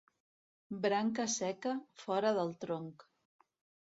Branca seca, fora del tronc.